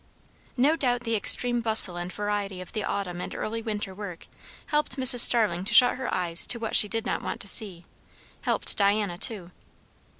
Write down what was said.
No doubt the extreme bustle and variety of the autumn and early winter work helped Mrs. Starling to shut her eyes to what she did not want to see; helped Diana too.